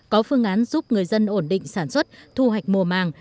có phương án giúp người dân ổn định sản xuất thu hoạch mùa màng